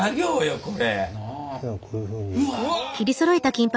これ。